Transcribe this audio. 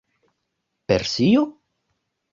Persio?